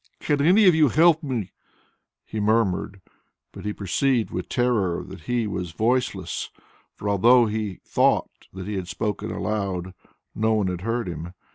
"Can any of you help me?" he murmured, but he perceived with terror that he was voiceless, for although he thought he had spoken aloud, no one had heard him.